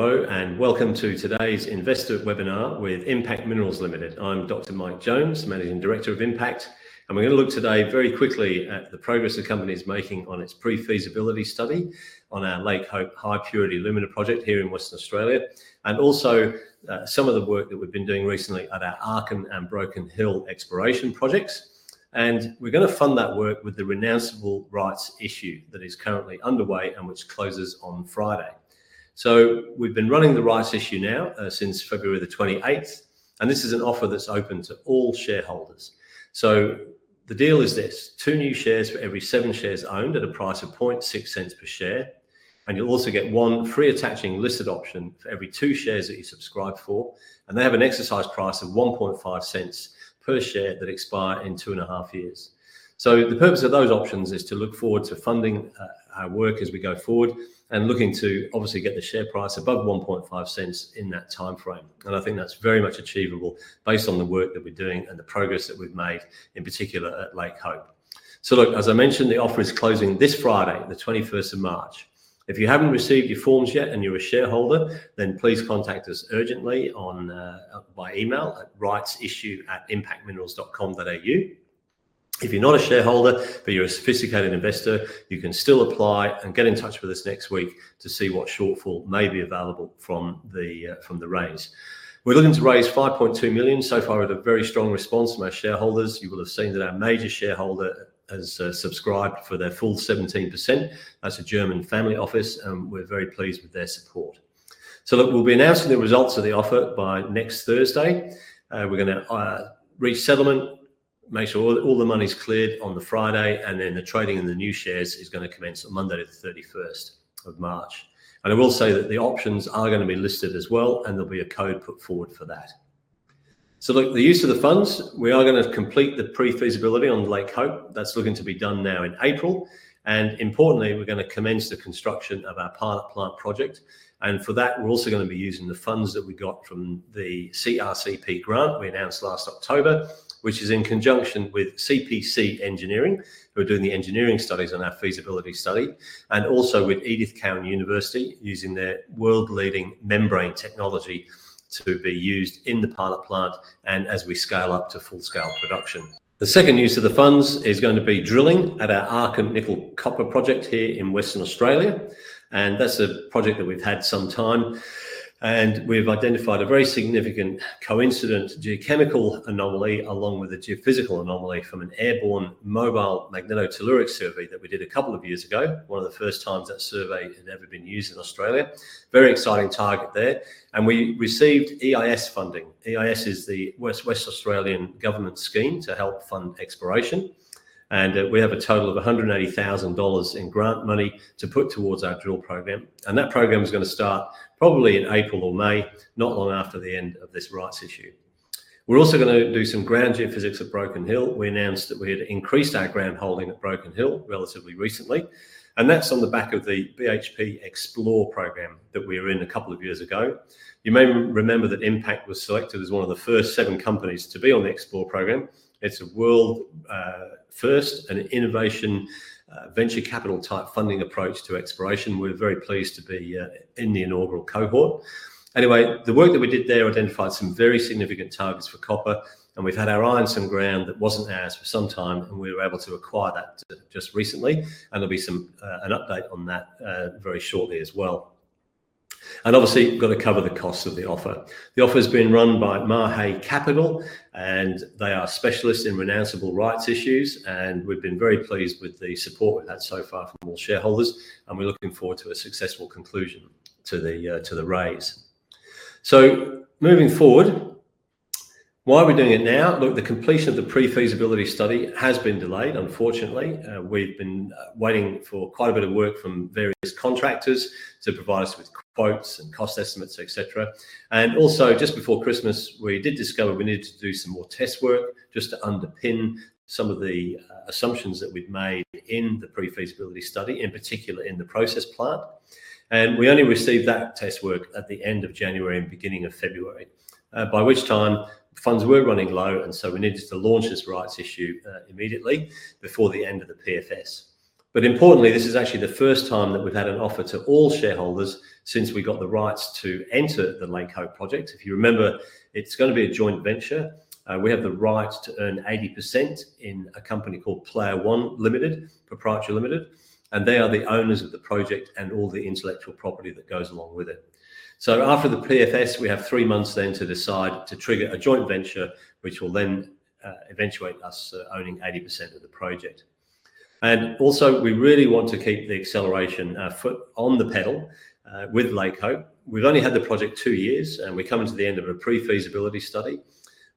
Hello and welcome to today's Investor Webinar with Impact Minerals Limited. I'm Dr. Mike Jones, Managing Director of Impact, and we're going to look today very quickly at the progress the company is making on its pre-feasibility study on our Lake Hope high-purity alumina project here in Western Australia, and also some of the work that we've been doing recently at our Arkun and Broken Hill exploration projects. We're going to fund that work with the renounceable rights issue that is currently underway and which closes on Friday. We have been running the rights issue now since February the 28th, and this is an offer that's open to all shareholders. The deal is this: two new shares for every seven shares owned at a price of 0.006 per share, and you'll also get one free attaching listed option for every two shares that you subscribe for. They have an exercise price of 0.015 per share that expire in two and a half years. The purpose of those options is to look forward to funding our work as we go forward and looking to obviously get the share price above 0.015 in that timeframe. I think that's very much achievable based on the work that we're doing and the progress that we've made, in particular at Lake Hope. As I mentioned, the offer is closing this Friday, the 21st of March. If you haven't received your forms yet and you're a shareholder, then please contact us urgently by email at rightsissue@impactminerals.com.au. If you're not a shareholder, but you're a sophisticated investor, you can still apply and get in touch with us next week to see what shortfall may be available from the raise. We're looking to raise 5.2 million. So far, we've had a very strong response from our shareholders. You will have seen that our major shareholder has subscribed for their full 17%. That is a German family office, and we're very pleased with their support. Look, we'll be announcing the results of the offer by next Thursday. We're going to reach settlement, make sure all the money is cleared on the Friday, and then the trading in the new shares is going to commence on Monday, the 31st of March. I will say that the options are going to be listed as well, and there will be a code put forward for that. The use of the funds, we are going to complete the pre-feasibility on Lake Hope. That is looking to be done now in April. Importantly, we're going to commence the construction of our pilot plant project. For that, we're also going to be using the funds that we got from the CRC-P grant we announced last October, which is in conjunction with CPC Engineering, who are doing the engineering studies on our feasibility study, and also with Edith Cowan University using their world-leading membrane technology to be used in the pilot plant and as we scale up to full-scale production. The second use of the funds is going to be drilling at our Arkun Nickel Copper project here in Western Australia. That's a project that we've had some time. We've identified a very significant coincident geochemical anomaly along with a geophysical anomaly from an airborne mobile magnetotelluric survey that we did a couple of years ago, one of the first times that survey had ever been used in Australia. Very exciting target there. We received EIS funding. EIS is the Western Australian Government scheme to help fund exploration. We have a total of 180,000 dollars in grant money to put towards our drill program. That program is going to start probably in April or May, not long after the end of this rights issue. We are also going to do some ground geophysics at Broken Hill. We announced that we had increased our ground holding at Broken Hill relatively recently. That is on the back of the BHP Xplor program that we were in a couple of years ago. You may remember that Impact was selected as one of the first seven companies to be on the Xplor program. It is a world-first and innovation venture capital type funding approach to exploration. We are very pleased to be in the inaugural cohort. Anyway, the work that we did there identified some very significant targets for copper, and we've had our eye on some ground that was not ours for some time, and we were able to acquire that just recently. There will be an update on that very shortly as well. Obviously, we have to cover the cost of the offer. The offer has been run by Mahe Capital, and they are specialists in renounceable rights issues. We have been very pleased with the support we have had so far from all shareholders, and we are looking forward to a successful conclusion to the raise. Moving forward, why are we doing it now? The completion of the pre-feasibility study has been delayed, unfortunately. We have been waiting for quite a bit of work from various contractors to provide us with quotes and cost estimates, etc. Also, just before Christmas, we did discover we needed to do some more test work just to underpin some of the assumptions that we'd made in the pre-feasibility study, in particular in the process plant. We only received that test work at the end of January and beginning of February, by which time funds were running low, and we needed to launch this rights issue immediately before the end of the PFS. Importantly, this is actually the first time that we've had an offer to all shareholders since we got the rights to enter the Lake Hope project. If you remember, it's going to be a joint venture. We have the right to earn 80% in a company called Playa One Limited, and they are the owners of the project and all the intellectual property that goes along with it. After the PFS, we have three months then to decide to trigger a joint venture, which will then eventuate us owning 80% of the project. Also, we really want to keep the acceleration foot on the pedal with Lake Hope. We've only had the project two years, and we're coming to the end of a pre-feasibility study.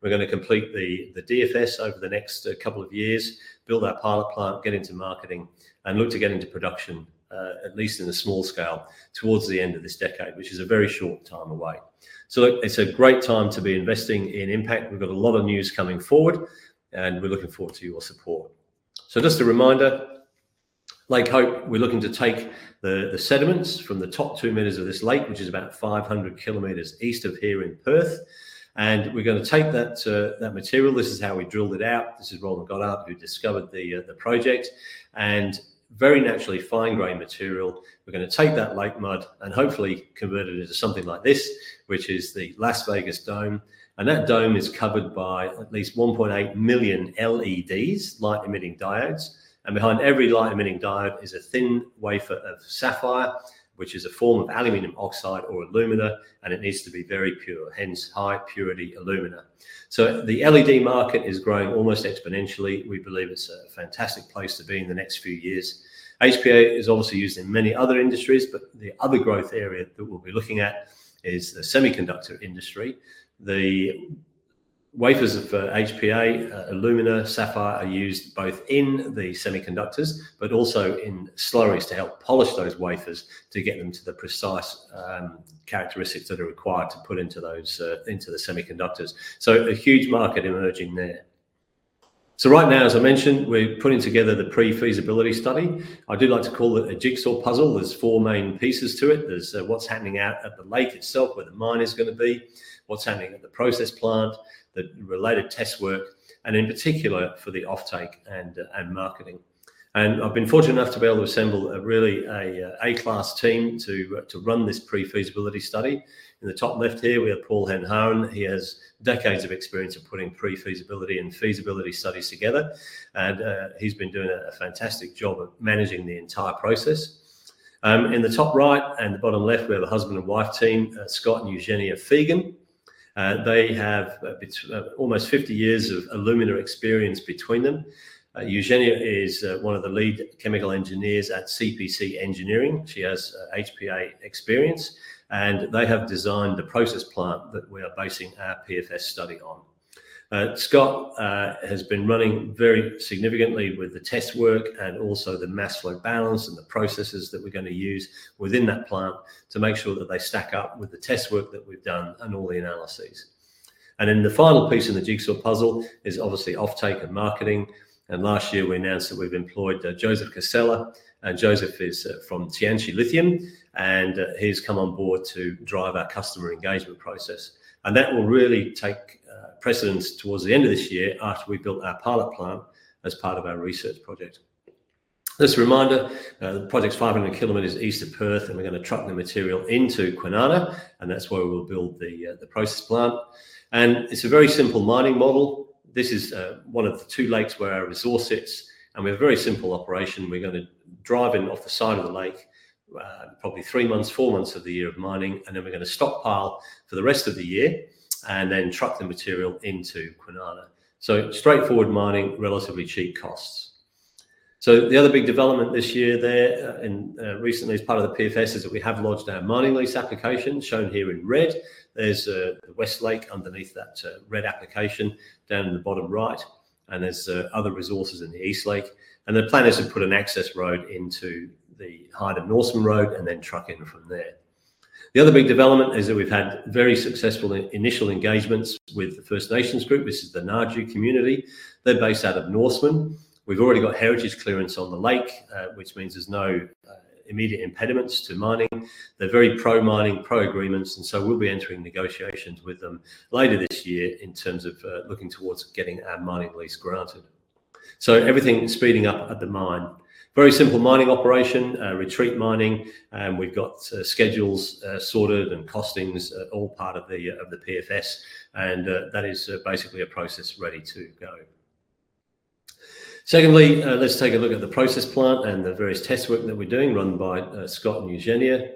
We're going to complete the DFS over the next couple of years, build our pilot plant, get into marketing, and look to get into production, at least in a small scale, towards the end of this decade, which is a very short time away. It's a great time to be investing in Impact. We've got a lot of news coming forward, and we're looking forward to your support. Just a reminder, Lake Hope, we're looking to take the sediments from the top two meters of this lake, which is about 500 km east of here in Perth. We're going to take that material. This is how we drilled it out. This is Roland Gotthard, who discovered the project. Very naturally, fine-grain material, we're going to take that lake mud and hopefully convert it into something like this, which is the Las Vegas Dome. That dome is covered by at least 1.8 million LEDs, light-emitting diodes. Behind every light-emitting diode is a thin wafer of sapphire, which is a form of aluminum oxide or alumina, and it needs to be very pure, hence high-purity alumina. The LED market is growing almost exponentially. We believe it's a fantastic place to be in the next few years. HPA is obviously used in many other industries, but the other growth area that we'll be looking at is the semiconductor industry. The wafers of HPA, alumina, sapphire are used both in the semiconductors, but also in slurries to help polish those wafers to get them to the precise characteristics that are required to put into the semiconductors. A huge market is emerging there. Right now, as I mentioned, we're putting together the pre-feasibility study. I do like to call it a jigsaw puzzle. There are four main pieces to it. There is what's happening at the lake itself, where the mine is going to be, what's happening at the process plant, the related test work, and in particular for the offtake and marketing. I've been fortunate enough to be able to assemble a really A-class team to run this pre-feasibility study. In the top left here, we have Paul Hanrahan. He has decades of experience of putting pre-feasibility and feasibility studies together, and he's been doing a fantastic job of managing the entire process. In the top right and the bottom left, we have a husband and wife team, Scott and Eugenia Fegan. They have almost 50 years of alumina experience between them. Eugenia is one of the lead chemical engineers at CPC Engineering. She has HPA experience, and they have designed the process plant that we are basing our PFS study on. Scott has been running very significantly with the test work and also the mass flow balance and the processes that we're going to use within that plant to make sure that they stack up with the test work that we've done and all the analyses. The final piece of the jigsaw puzzle is obviously offtake and marketing. Last year, we announced that we've employed Joseph Casella, and Joseph is from Tianqi Lithium, and he's come on board to drive our customer engagement process. That will really take precedence towards the end of this year after we built our pilot plant as part of our research project. Just a reminder, the project's 500 km east of Perth, and we're going to truck the material into Kalgoorlie, and that's where we'll build the process plant. It's a very simple mining model. This is one of the two lakes where our resource sits, and we have a very simple operation. We're going to drive in off the side of the lake, probably three months, four months of the year of mining, and then we're going to stockpile for the rest of the year and then truck the material into Coonana. Straightforward mining, relatively cheap costs. The other big development this year there and recently as part of the PFS is that we have lodged our mining lease application shown here in red. There's the West Lake underneath that red application down in the bottom right, and there are other resources in the East Lake. The plan is to put an access road into the Hyden-Norseman Road and then truck in from there. The other big development is that we've had very successful initial engagements with the First Nations group, which is the Ngadju community. They're based out of Norseman. We've already got heritage clearance on the lake, which means there's no immediate impediments to mining. They're very pro-mining, pro-agreements, and we will be entering negotiations with them later this year in terms of looking towards getting our mining lease granted. Everything is speeding up at the mine. Very simple mining operation, retreat mining, and we've got schedules sorted and costings all part of the PFS, and that is basically a process ready to go. Secondly, let's take a look at the process plant and the various test work that we're doing run by Scott and Eugenia.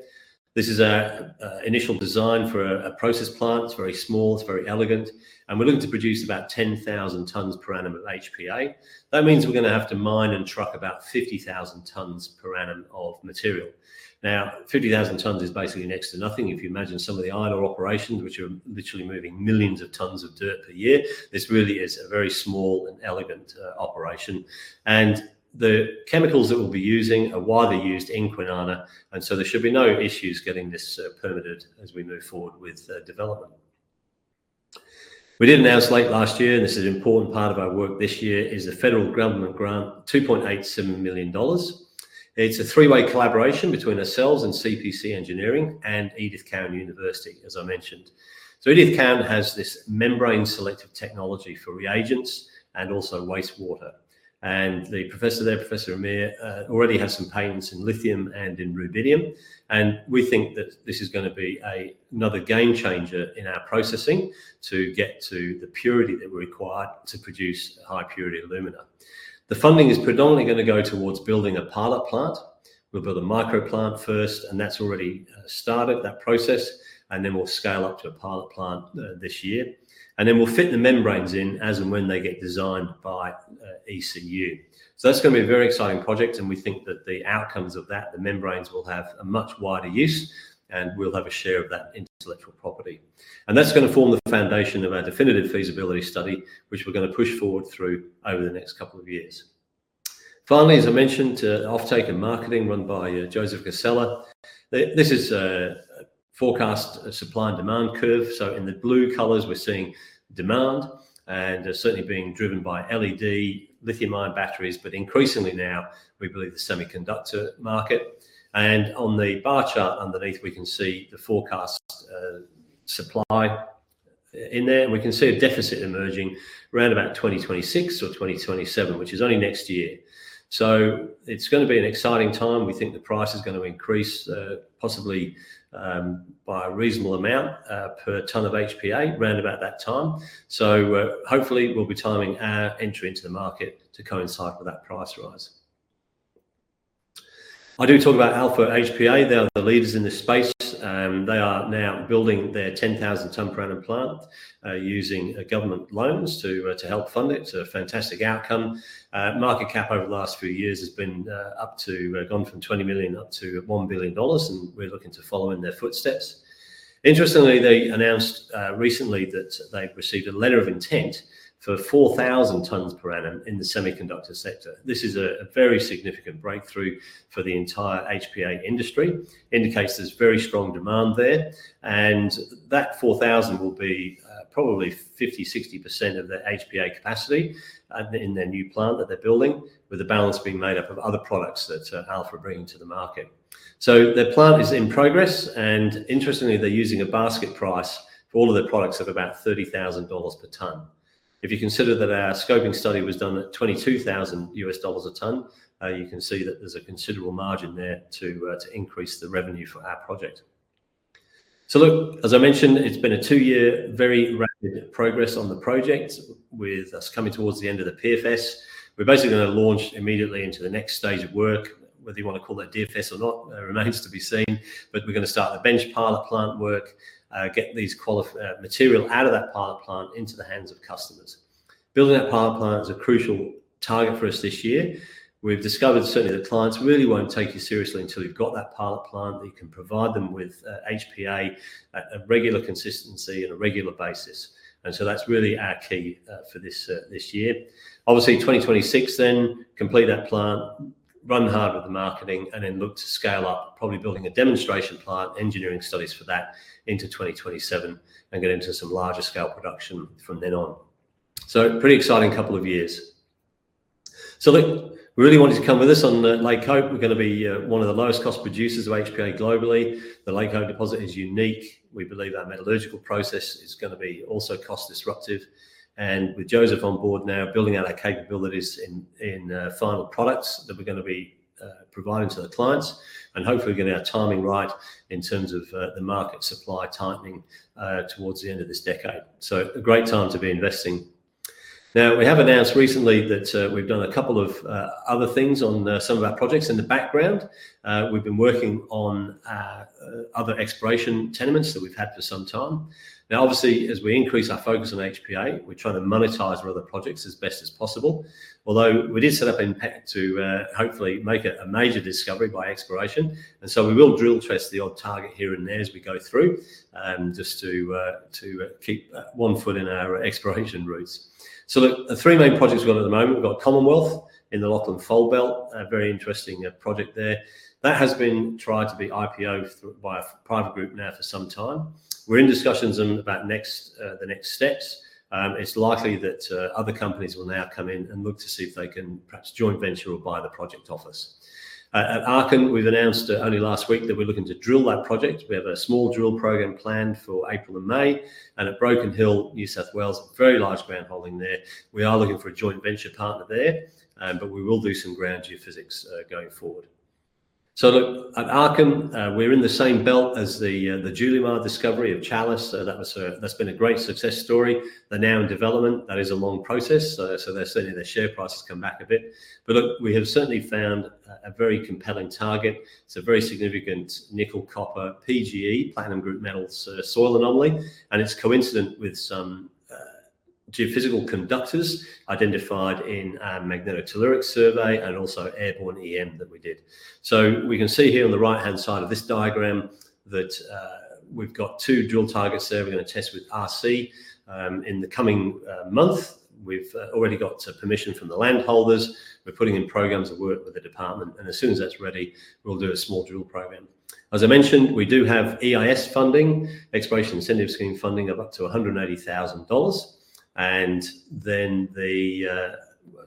This is our initial design for a process plant. It's very small. It's very elegant. We're looking to produce about 10,000 tons per annum of HPA. That means we're going to have to mine and truck about 50,000 tons per annum of material. Now, 50,000 tons is basically next to nothing. If you imagine some of the idle operations, which are literally moving millions of tons of dirt per year, this really is a very small and elegant operation. The chemicals that we'll be using are widely used in Kalgoorlie, and there should be no issues getting this permitted as we move forward with development. We did announce late last year, and this is an important part of our work this year, a federal government grant, 2.87 million dollars. It is a three-way collaboration between ourselves, CPC Engineering, and Edith Cowan University, as I mentioned. Edith Cowan has this membrane selective technology for reagents and also wastewater. The professor there, Professor Amir, already has some patents in lithium and in rubidium, and we think that this is going to be another game changer in our processing to get to the purity that we're required to produce high-purity alumina. The funding is predominantly going to go towards building a pilot plant. We'll build a microplant first, and that's already started, that process, and then we'll scale up to a pilot plant this year. We'll fit the membranes in as and when they get designed by ECU. That is going to be a very exciting project, and we think that the outcomes of that, the membranes, will have a much wider use, and we'll have a share of that intellectual property. That is going to form the foundation of our definitive feasibility study, which we're going to push forward through over the next couple of years. Finally, as I mentioned, offtake and marketing run by Joseph Casella. This is a forecast supply and demand curve. In the blue colors, we're seeing demand and certainly being driven by LED, lithium-ion batteries, but increasingly now, we believe, the semiconductor market. On the bar chart underneath, we can see the forecast supply in there. We can see a deficit emerging around about 2026 or 2027, which is only next year. It is going to be an exciting time. We think the price is going to increase possibly by a reasonable amount per ton of HPA around about that time. Hopefully, we'll be timing our entry into the market to coincide with that price rise. I do talk about Alpha HPA. They are the leaders in this space. They are now building their 10,000-ton per annum plant using government loans to help fund it. It's a fantastic outcome. Market cap over the last few years has been up to gone from $20 million up to $1 billion, and we're looking to follow in their footsteps. Interestingly, they announced recently that they've received a letter of intent for 4,000 tons per annum in the semiconductor sector. This is a very significant breakthrough for the entire HPA industry. It indicates there's very strong demand there, and that 4,000 will be probably 50%-60% of the HPA capacity in their new plant that they're building, with the balance being made up of other products that Alpha are bringing to the market. Their plant is in progress, and interestingly, they're using a basket price for all of their products of about $30,000 per ton. If you consider that our scoping study was done at $22,000 US dollars a ton, you can see that there's a considerable margin there to increase the revenue for our project. As I mentioned, it's been a two-year very rapid progress on the project with us coming towards the end of the PFS. We're basically going to launch immediately into the next stage of work. Whether you want to call that DFS or not remains to be seen, but we're going to start the bench pilot plant work, get this material out of that pilot plant into the hands of customers. Building that pilot plant is a crucial target for us this year. We've discovered certainly that clients really won't take you seriously until you've got that pilot plant that you can provide them with HPA at a regular consistency and a regular basis. That is really our key for this year. Obviously, 2026 then, complete that plant, run hard with the marketing, and then look to scale up, probably building a demonstration plant, engineering studies for that into 2027, and get into some larger scale production from then on. Pretty exciting couple of years. We really want you to come with us on Lake Hope. We are going to be one of the lowest cost producers of HPA globally. The Lake Hope deposit is unique. We believe our metallurgical process is going to be also cost disruptive. With Joseph on board now, building out our capabilities in final products that we are going to be providing to the clients, and hopefully getting our timing right in terms of the market supply tightening towards the end of this decade. A great time to be investing. Now, we have announced recently that we've done a couple of other things on some of our projects in the background. We've been working on other exploration tenements that we've had for some time. Obviously, as we increase our focus on HPA, we're trying to monetize our other projects as best as possible, although we did set up Impact to hopefully make a major discovery by exploration. We will drill test the odd target here and there as we go through just to keep one foot in our exploration roots. The three main projects we've got at the moment are Commonwealth in the Lachlan Fold Belt, a very interesting project there. That has been tried to be IPO by a private group now for some time. We're in discussions about the next steps. It's likely that other companies will now come in and look to see if they can perhaps joint venture or buy the project off us. At Arkun, we've announced only last week that we're looking to drill that project. We have a small drill program planned for April and May, and at Broken Hill, New South Wales, very large ground holding there. We are looking for a joint venture partner there, but we will do some ground geophysics going forward. At Arkun, we're in the same belt as the Julimar discovery of Chalice. That's been a great success story. They're now in development. That is a long process. Certainly, their share price has come back a bit. We have certainly found a very compelling target. It's a very significant nickel, copper, PGE, platinum group metals soil anomaly, and it's coincident with some geophysical conductors identified in our magnetotelluric survey and also airborne EM that we did. We can see here on the right-hand side of this diagram that we've got two drill targets there. We're going to test with RC in the coming month. We've already got permission from the landholders. We're putting in programs of work with the department, and as soon as that's ready, we'll do a small drill program. As I mentioned, we do have EIS funding, exploration incentive scheme funding of up to 180,000 dollars.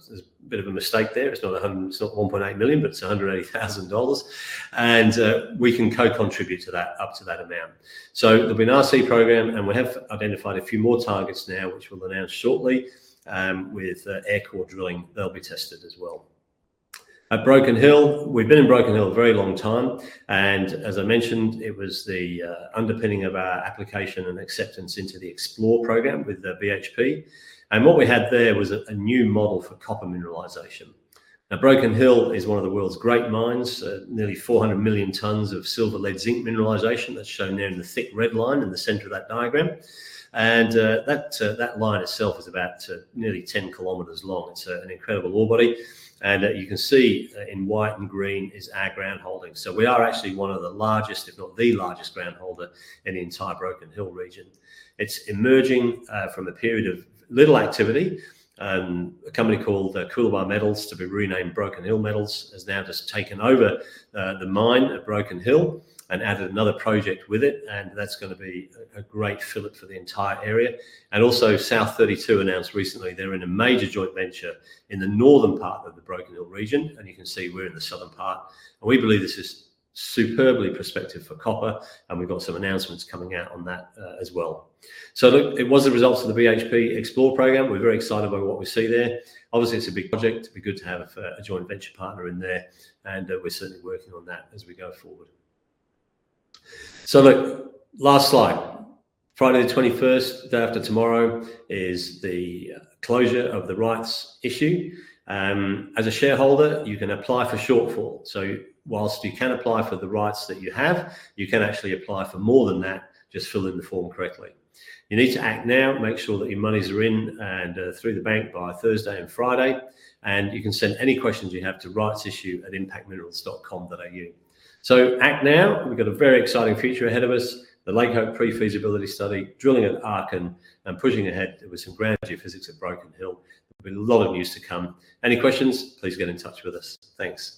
There's a bit of a mistake there. It's not 1.8 million, but it's 180,000 dollars, and we can co-contribute to that up to that amount. There'll be an RC program, and we have identified a few more targets now, which we'll announce shortly, with aircore drilling. They'll be tested as well. At Broken Hill, we've been in Broken Hill a very long time, and as I mentioned, it was the underpinning of our application and acceptance into the Xplor program with BHP. What we had there was a new model for copper mineralization. Now, Broken Hill is one of the world's great mines, nearly 400 million tons of silver-lead zinc mineralization. That's shown there in the thick red line in the center of that diagram. That line itself is about nearly 10 kilometers long. It's an incredible ore body, and you can see in white and green is our ground holding. We are actually one of the largest, if not the largest ground holder in the entire Broken Hill region. It's emerging from a period of little activity. A company called Coolabah Metals, to be renamed Broken Hill Metals, has now just taken over the mine at Broken Hill and added another project with it, and that's going to be a great fill-up for the entire area. Also, South32 announced recently they're in a major joint venture in the northern part of the Broken Hill region, and you can see we're in the southern part. We believe this is superbly prospective for copper, and we've got some announcements coming out on that as well. It was the results of the BHP Xplor program. We're very excited by what we see there. Obviously, it's a big project. It'd be good to have a joint venture partner in there, and we're certainly working on that as we go forward. Last slide. Friday the 21st, day after tomorrow, is the closure of the rights issue. As a shareholder, you can apply for shortfall. Whilst you can apply for the rights that you have, you can actually apply for more than that. Just fill in the form correctly. You need to act now, make sure that your monies are in and through the bank by Thursday and Friday, and you can send any questions you have to rightsissue@impactminerals.com.au. Act now. We have a very exciting future ahead of us. The Lake Hope pre-feasibility study, drilling at Arkun, and pushing ahead with some ground geophysics at Broken Hill. There will be a lot of news to come. Any questions, please get in touch with us. Thanks.